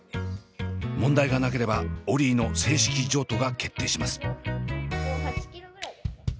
問題がなければオリィの正式譲渡が決定します。